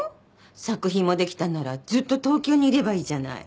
作品もできたんならずっと東京にいればいいじゃない。